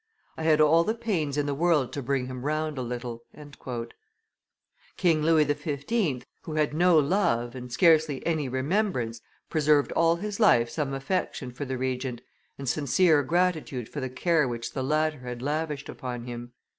I had all the pains in the world to bring him round a little." King Louis XV., who had no love and scarcely any remembrance, preserved all his life some affection for the Regent, and sincere gratitude for the care which the latter had lavished upon him.